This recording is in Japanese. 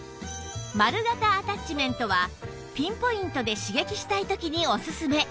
丸型アタッチメントはピンポイントで刺激したい時におすすめ